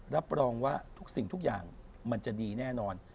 รับรองว่าทุกสิ่งทุกอย่างมันจะดีแน่นอน